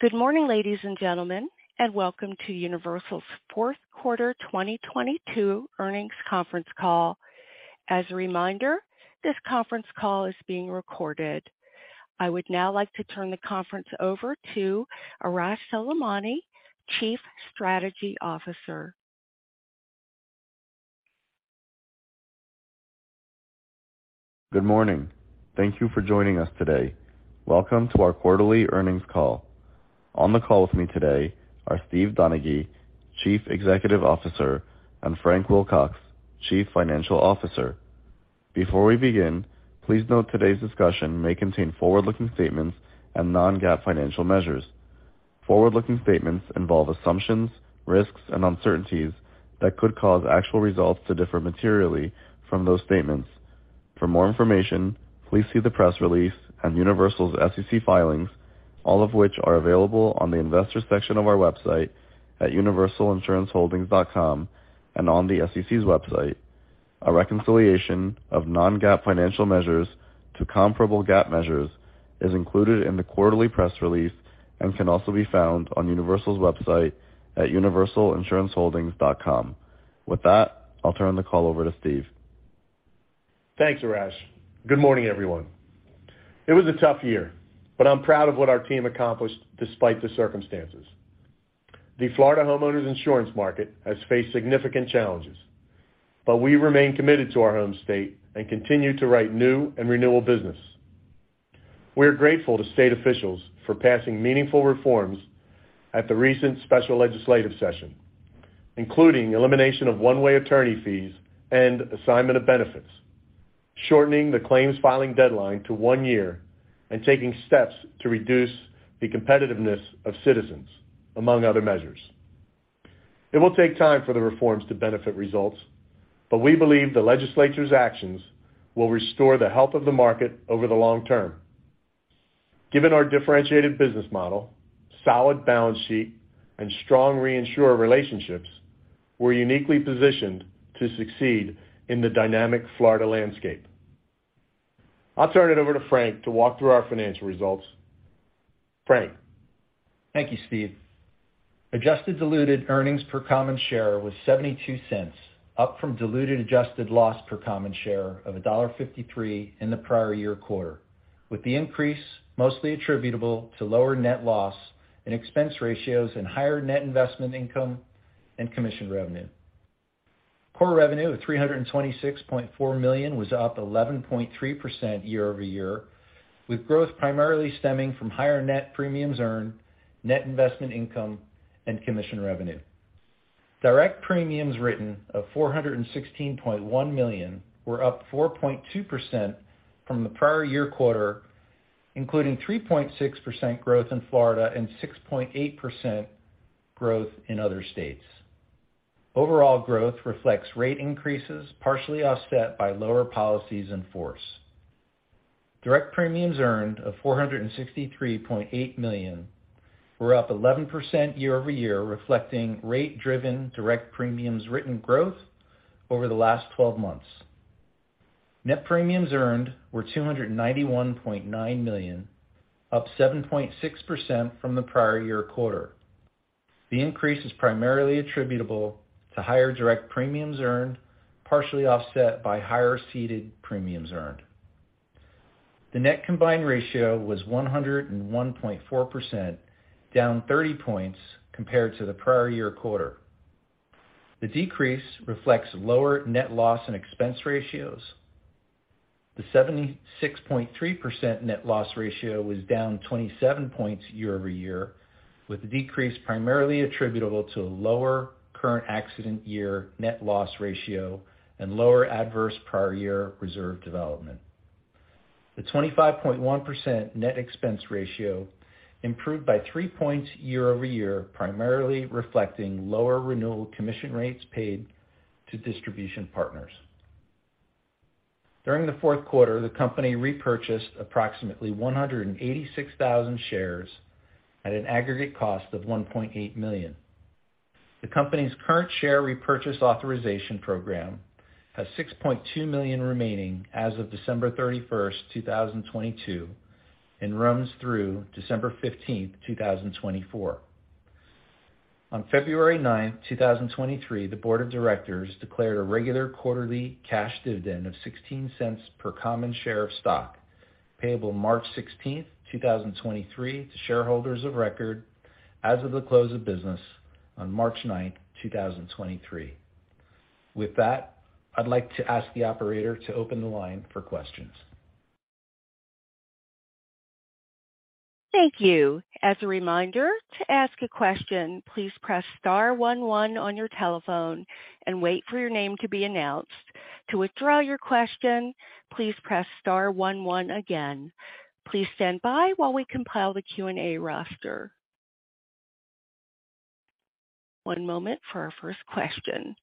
Good morning, ladies and gentlemen, and welcome to Universal's fourth quarter 2022 earnings conference call. As a reminder, this conference call is being recorded. I would now like to turn the conference over to Arash Soleimani, Chief Strategy Officer. Good morning. Thank you for joining us today. Welcome to our quarterly earnings call. On the call with me today are Steve Donaghy, Chief Executive Officer, and Frank Wilcox, Chief Financial Officer. Before we begin, please note today's discussion may contain forward-looking statements and non-GAAP financial measures. Forward-looking statements involve assumptions, risks and uncertainties that could cause actual results to differ materially from those statements. For more information, please see the press release and Universal's SEC filings, all of which are available on the investor section of our website at universalinsuranceholdings.com and on the SEC's website. A reconciliation of non-GAAP financial measures to comparable GAAP measures is included in the quarterly press release and can also be found on Universal's website at universalinsuranceholdings.com. With that, I'll turn the call over to Steve. Thanks, Arash. Good morning, everyone. It was a tough year. I'm proud of what our team accomplished despite the circumstances. The Florida homeowners insurance market has faced significant challenges. We remain committed to our home state and continue to write new and renewal business. We are grateful to state officials for passing meaningful reforms at the recent special legislative session, including elimination of one-way attorney fees and assignment of benefits, shortening the claims filing deadline to one year and taking steps to reduce the competitiveness of Citizens, among other measures. It will take time for the reforms to benefit results. We believe the legislature's actions will restore the health of the market over the long term. Given our differentiated business model, solid balance sheet, and strong reinsurer relationships, we're uniquely positioned to succeed in the dynamic Florida landscape. I'll turn it over to Frank to walk through our financial results. Frank. Thank you, Steve. Adjusted diluted earnings per common share was $0.72, up from diluted adjusted loss per common share of $1.53 in the prior year quarter, with the increase mostly attributable to lower net loss and expense ratios and higher net investment income and commission revenue. Core revenue of $326.4 million was up 11.3% year-over-year, with growth primarily stemming from higher net premiums earned, net investment income, and commission revenue. Direct premiums written of $416.1 million were up 4.2% from the prior year quarter, including 3.6% growth in Florida and 6.8% growth in other states. Overall growth reflects rate increases, partially offset by lower policies in force. Direct premiums earned of $463.8 million were up 11% year-over-year, reflecting rate-driven direct premiums written growth over the last 12 months. Net premiums earned were $291.9 million, up 7.6% from the prior year quarter. The increase is primarily attributable to higher direct premiums earned, partially offset by higher ceded premiums earned. The net combined ratio was 101.4%, down 30 points compared to the prior year quarter. The decrease reflects lower net loss and expense ratios. The 76.3% net loss ratio was down 27 points year-over-year, with the decrease primarily attributable to a lower current accident year net loss ratio and lower adverse prior year reserve development. The 25.1% net expense ratio improved by three points year-over-year, primarily reflecting lower renewal commission rates paid to distribution partners. During the fourth quarter, the company repurchased approximately 186,000 shares at an aggregate cost of $1.8 million. The company's current share repurchase authorization program has $6.2 million remaining as of December 31st, 2022, and runs through December 15th, 2024. On February 9th, 2023, the board of directors declared a regular quarterly cash dividend of $0.16 per common share of stock, payable March 16th, 2023 to shareholders of record as of the close of business on March 9th, 2023. With that, I'd like to ask the operator to open the line for questions. Thank you. As a reminder, to ask a question, please press star one one on your telephone and wait for your name to be announced. To withdraw your question, please press star one one again. Please stand by while we compile the Q&A roster. One moment for our first question.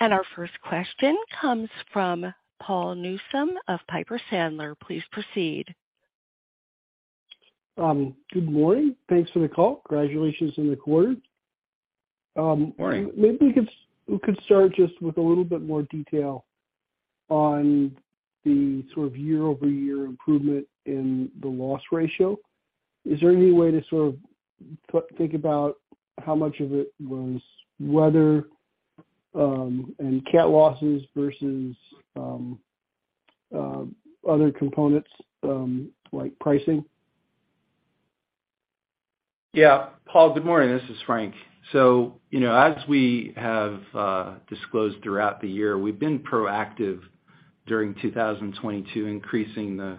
Our first question comes from Paul Newsome of Piper Sandler. Please proceed. Good morning. Thanks for the call. Congratulations on the quarter. Good morning. Maybe you could start just with a little bit more detail on the sort of year-over-year improvement in the loss ratio. Is there any way to sort of think about how much of it was weather, and cat losses versus, other components, like pricing? Yeah. Paul, good morning. This is Frank. you know, as we have disclosed throughout the year, we've been proactive during 2022, increasing the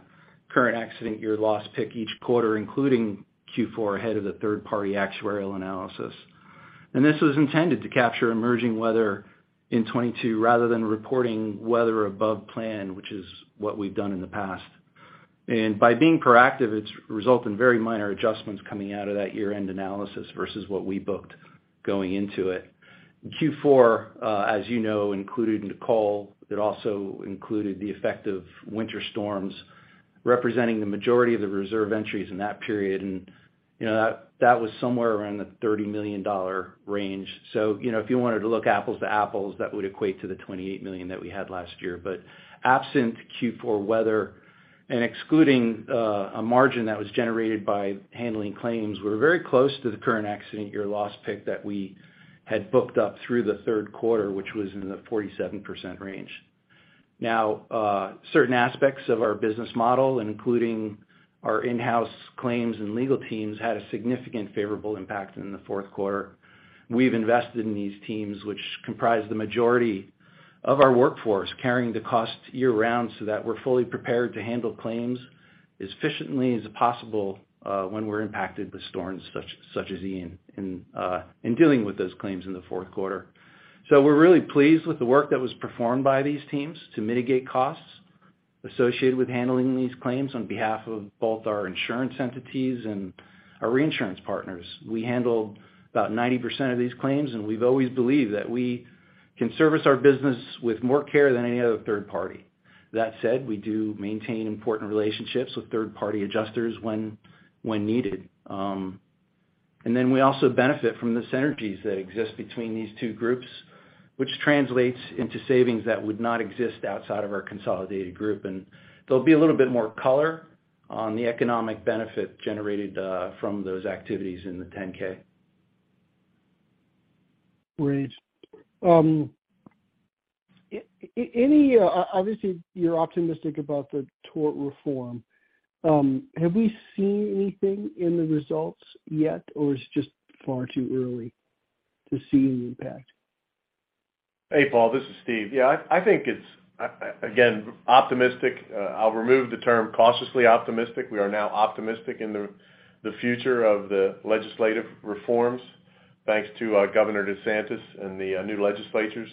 current accident year loss pick each quarter, including Q4, ahead of the third party actuarial analysis. This was intended to capture emerging weather in 2022 rather than reporting weather above plan, which is what we've done in the past. By being proactive, it's resulted in very minor adjustments coming out of that year-end analysis versus what we booked going into it. In Q4, as you know, included in the call, it also included the effect of winter storms representing the majority of the reserve entries in that period, you know, that was somewhere around the $30 million range. You know, if you wanted to look apples to apples, that would equate to the $28 million that we had last year. Absent Q4 weather and excluding a margin that was generated by handling claims, we're very close to the current accident year loss pick that we had booked up through the third quarter, which was in the 47% range. Certain aspects of our business model, including our in-house claims and legal teams, had a significant favorable impact in the fourth quarter. We've invested in these teams, which comprise the majority of our workforce, carrying the cost year-round so that we're fully prepared to handle claims as efficiently as possible when we're impacted with storms such as Ian and in dealing with those claims in the fourth quarter. We're really pleased with the work that was performed by these teams to mitigate costs associated with handling these claims on behalf of both our insurance entities and our reinsurance partners. We handled about 90% of these claims. We've always believed that we can service our business with more care than any other third party. That said, we do maintain important relationships with third party adjusters when needed. We also benefit from the synergies that exist between these two groups, which translates into savings that would not exist outside of our consolidated group. There'll be a little bit more color on the economic benefit generated from those activities in the 10-K. Great. Any, obviously, you're optimistic about the tort reform. Have we seen anything in the results yet, or it's just far too early to see an impact? Hey, Paul, this is Steve. Yeah, I think it's again, optimistic. I'll remove the term cautiously optimistic. We are now optimistic in the future of the legislative reforms, thanks to Governor DeSantis and the new legislatures.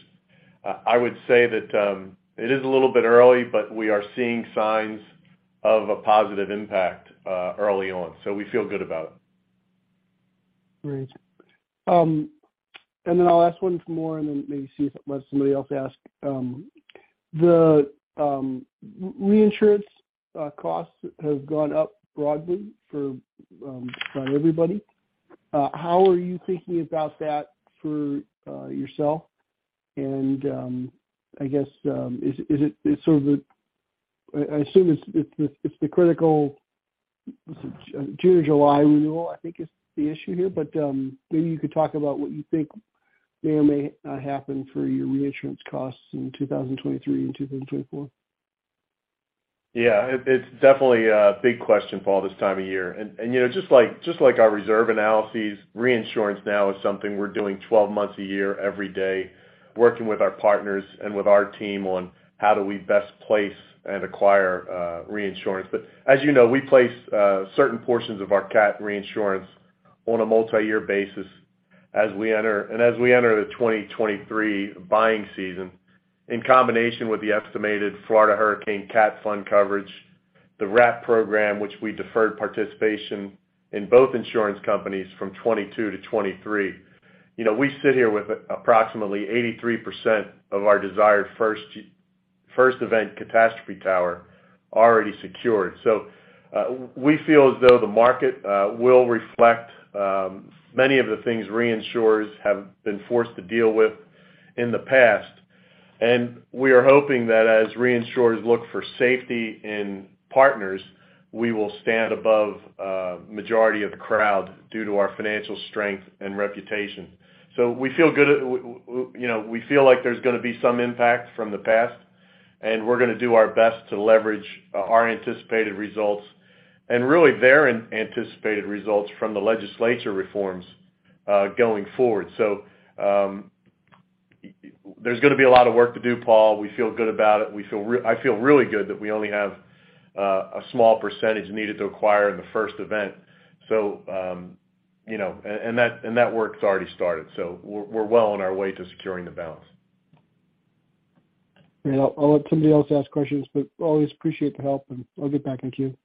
I would say that it is a little bit early, but we are seeing signs of a positive impact early on, so we feel good about it. Great. Then I'll ask one more and then maybe see if let somebody else ask. The reinsurance costs have gone up broadly for everybody. How are you thinking about that for yourself? I guess, is it sort of the... I assume it's the critical June or July renewal, I think is the issue here. Maybe you could talk about what you think may or may happen for your reinsurance costs in 2023 and 2024. Yeah, it's definitely a big question, Paul, this time of year. You know, just like our reserve analyses, reinsurance now is something we're doing 12 months a year, every day, working with our partners and with our team on how do we best place and acquire reinsurance. As you know, we place certain portions of our cat reinsurance on a multi-year basis as we enter. As we enter the 2023 buying season, in combination with the estimated Florida Hurricane Catastrophe Fund coverage, the RAP program, which we deferred participation in both insurance companies from 2022 to 2023. You know, we sit here with approximately 83% of our desired first event catastrophe tower already secured. We feel as though the market will reflect many of the things reinsurers have been forced to deal with in the past. We are hoping that as reinsurers look for safety in partners, we will stand above majority of the crowd due to our financial strength and reputation. We feel good at you know, we feel like there's gonna be some impact from the past, and we're gonna do our best to leverage our anticipated results and really their anticipated results from the legislature reforms going forward. There's gonna be a lot of work to do, Paul. We feel good about it. I feel really good that we only have a small percentage needed to acquire in the first event. You know, and that work's already started, so we're well on our way to securing the balance. Great. I'll let somebody else ask questions, but always appreciate the help, and I'll get back in queue.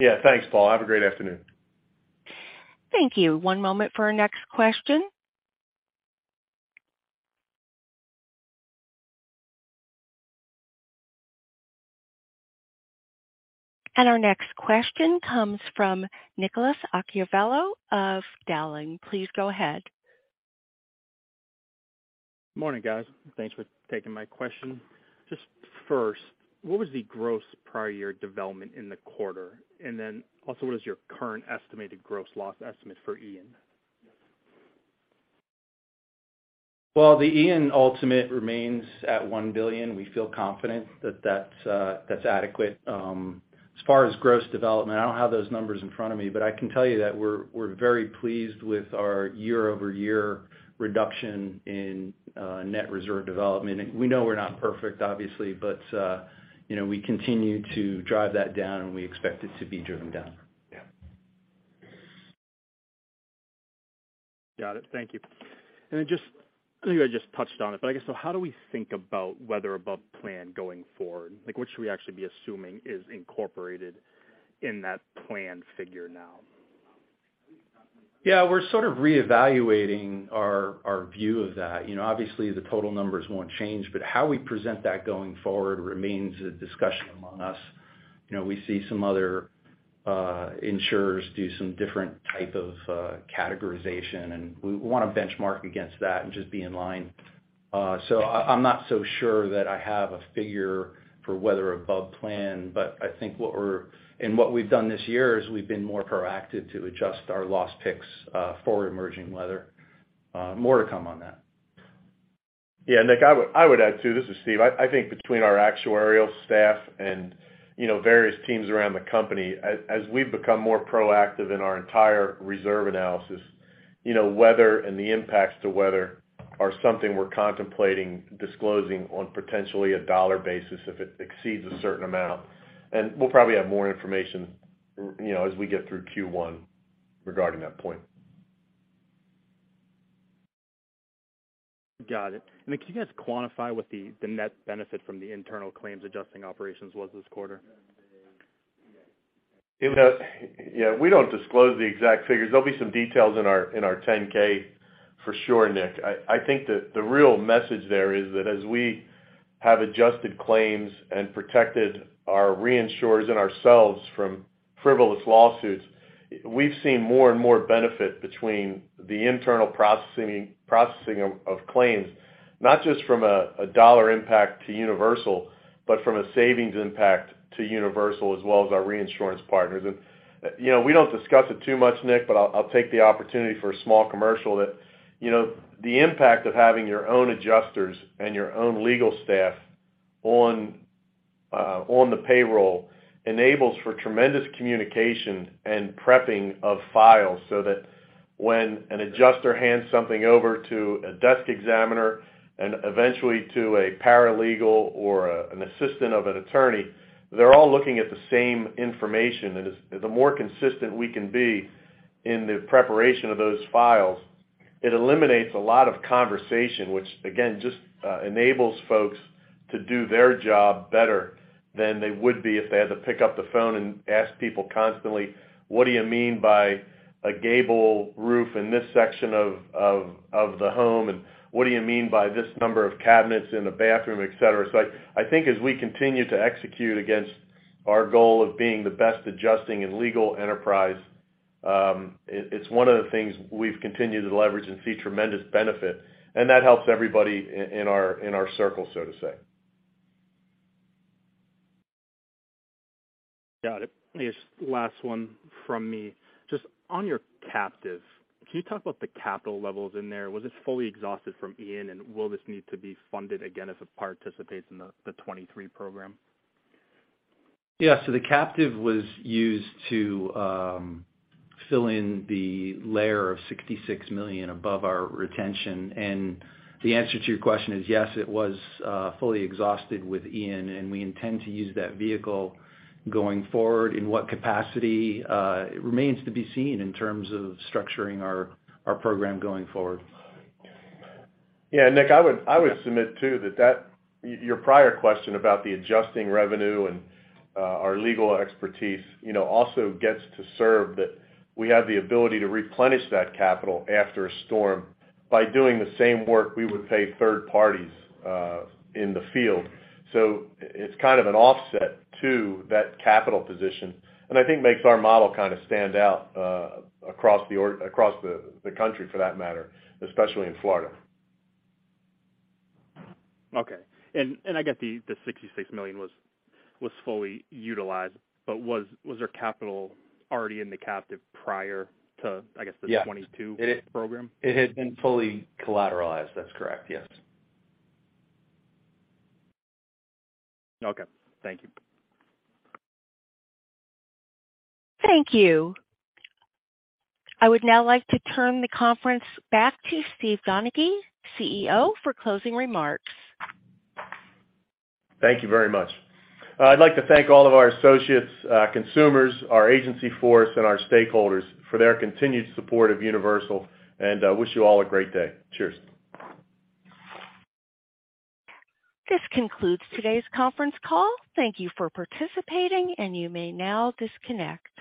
Yeah. Thanks, Paul. Have a great afternoon. Thank you. One moment for our next question. Our next question comes from Nicolas Iacoviello of Dowling. Please go ahead. Morning, guys. Thanks for taking my question. Just first, what was the gross prior year development in the quarter? Then also, what is your current estimated gross loss estimate for Ian? The Ian ultimate remains at $1 billion. We feel confident that that's adequate. As far as gross development, I don't have those numbers in front of me, but I can tell you that we're very pleased with our year-over-year reduction in net reserve development. We know we're not perfect, obviously, but, you know, we continue to drive that down and we expect it to be driven down. Got it. Thank you. I think I just touched on it, but I guess how do we think about weather above plan going forward? Like, what should we actually be assuming is incorporated in that plan figure now? Yeah, we're sort of reevaluating our view of that. You know, obviously the total numbers won't change, but how we present that going forward remains a discussion among us. You know, we see some other insurers do some different type of categorization, and we wanna benchmark against that and just be in line. I'm not so sure that I have a figure for weather above plan, but I think what we've done this year is we've been more proactive to adjust our loss picks for emerging weather. More to come on that. Yeah, Nick, I would add too, this is Steve. I think between our actuarial staff and, you know, various teams around the company, as we've become more proactive in our entire reserve analysis, you know, weather and the impacts to weather are something we're contemplating disclosing on potentially a dollar basis if it exceeds a certain amount. We'll probably have more information, you know, as we get through Q1 regarding that point. Got it. Can you guys quantify what the net benefit from the internal claims adjusting operations was this quarter? Yeah. We don't disclose the exact figures. There'll be some details in our 10-K for sure, Nick. I think the real message there is that as we have adjusted claims and protected our reinsurers and ourselves from frivolous lawsuits, we've seen more and more benefit between the internal processing of claims, not just from a dollar impact to Universal, but from a savings impact to Universal as well as our reinsurance partners. You know, we don't discuss it too much, Nick, but I'll take the opportunity for a small commercial that, you know, the impact of having your own adjusters and your own legal staff on the payroll enables for tremendous communication and prepping of files so that when an adjuster hands something over to a desk examiner and eventually to a paralegal or an assistant of an attorney, they're all looking at the same information. The more consistent we can be in the preparation of those files, it eliminates a lot of conversation, which again, just enables folks to do their job better than they would be if they had to pick up the phone and ask people constantly, what do you mean by a gable roof in this section of the home? What do you mean by this number of cabinets in the bathroom, et cetera. I think as we continue to execute against our goal of being the best adjusting and legal enterprise, it's one of the things we've continued to leverage and see tremendous benefit, and that helps everybody in our circle, so to say. Got it. Last one from me. Just on your captives, can you talk about the capital levels in there? Was this fully exhausted from Ian? Will this need to be funded again if it participates in the 2023 program? Yeah. The captive was used to fill in the layer of $66 million above our retention. The answer to your question is yes, it was fully exhausted with Ian, and we intend to use that vehicle going forward. In what capacity, it remains to be seen in terms of structuring our program going forward. Nick, I would submit too that your prior question about the adjusting revenue and our legal expertise, you know, also gets to serve that we have the ability to replenish that capital after a storm by doing the same work we would pay third parties in the field. It's kind of an offset to that capital position, and I think makes our model kind of stand out across the country for that matter, especially in Florida. Okay. I guess the $66 million was fully utilized, but was there capital already in the captive prior to, I guess- Yeah. -the 2022 program? It had been fully collateralized. That's correct, yes. Okay, thank you. Thank you. I would now like to turn the conference back to Steve Donaghy, CEO, for closing remarks. Thank you very much. I'd like to thank all of our associates, consumers, our agency force, and our stakeholders for their continued support of Universal, and wish you all a great day. Cheers. This concludes today's conference call. Thank you for participating. You may now disconnect.